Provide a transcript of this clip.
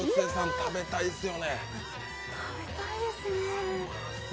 食べたいですね。